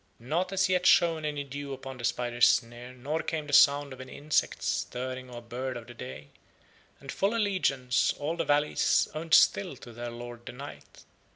Not as yet shone any dew upon the spider's snare nor came the sound of any insects stirring or bird of the day, and full allegiance all the valleys owned still to their Lord the Night.